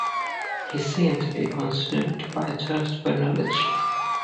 He seemed to be consumed by a thirst for knowledge.